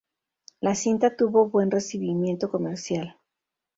La cinta tuvo buen recibimiento comercial.